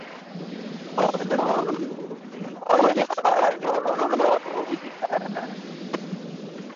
پاسبانان دوربینهای خبرنگاران را توقیف کردند.